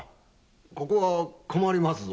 ここは困りますぞ。